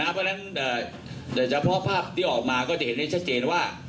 เพราะฉะนั้นแต่เฉพาะภาพที่ออกมาก็จะเห็นได้ชัดเจนว่า